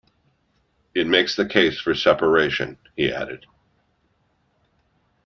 It makes the case for separation, he added.